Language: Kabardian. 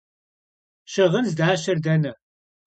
Şığın zdaşer dene?